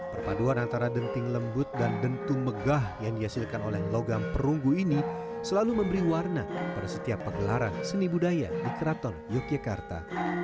perpaduan antara denting lembut dan dentung megah yang dihasilkan oleh logam perunggu ini selalu memberi warna pada setiap pegelaran seni budaya di kraton yogyakarta